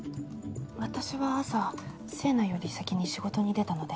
私は朝星名より先に仕事に出たので。